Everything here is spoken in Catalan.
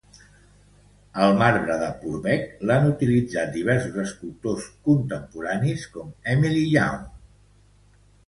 El marbre de Purbeck l'han utilitzat diversos escultors contemporanis, com Emily Young.